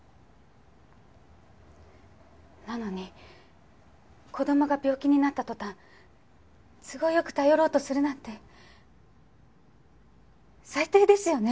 なのに子供が病気になった途端都合よく頼ろうとするなんて最低ですよね